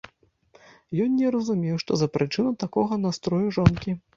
Ён не разумеў, што за прычына такога настрою жонкі.